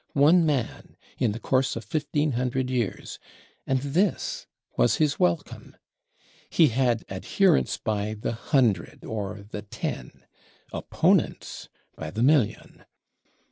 One man, in the course of fifteen hundred years; and this was his welcome. He had adherents by the hundred or the ten; opponents by the million.